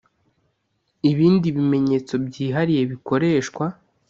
Ibindi bimenyetso byihariye bikoreshwa